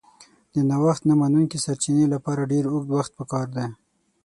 د نوښت نه منونکي سرچینې لپاره ډېر اوږد وخت پکار دی.